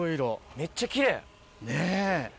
めっちゃきれい！